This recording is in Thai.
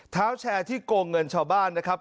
เท้าแชร์ที่โกงเงินชาวบ้านนะครับ